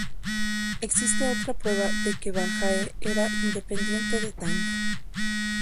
Existe otra prueba de que Balhae era independiente de Tang.